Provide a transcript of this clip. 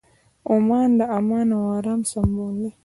عمان د امن او ارام سمبول دی.